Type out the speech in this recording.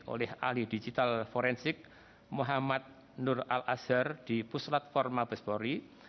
oleh ahli digital forensik muhammad nur al azhar di puslat forma bespori